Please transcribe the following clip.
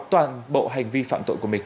toàn bộ hành vi phạm tội của mình